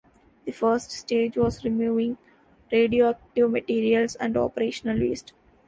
The first stage was removing radioactive materials and operational waste.